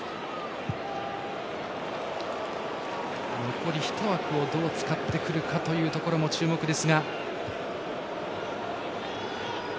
残り、ひと枠をどう使ってくるかというところも注目です。